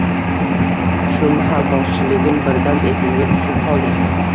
Shu mahal bokschiligim birdan esimga tushib qoldi